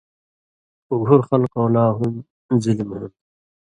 اُگُھر خلقؤں لا ہُم ظِلم ہُون٘د۔